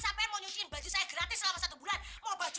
mau nyuciin baju saya gratis selama satu bulan mau baju